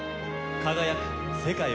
輝く世界を。